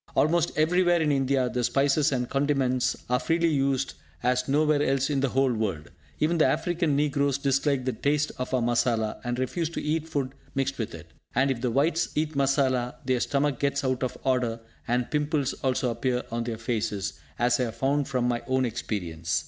Almost everywhere in India, the spices and condiments are freely used, as nowhere else in the whole world. Even the African negroes dislike the taste of our masala, and refuse to eat food mixed with it. And if the Whites eat masala, their stomach gets out of order, and pimples also appear on their faces, as I have found from my own experience.